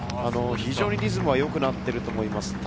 非常にリズムも良くなっていると思います。